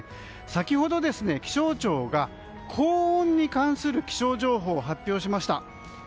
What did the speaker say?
先ほど、気象庁が高温に関する気象情報を発表しました。